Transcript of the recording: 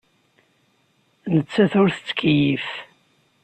Nettat ur tettkeyyif.